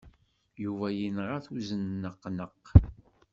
Yuba yenɣa-t uzenneqnaq.